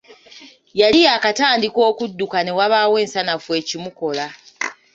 Yali yaakatandika okudduka ne wabaawo ensanafu ekimukola.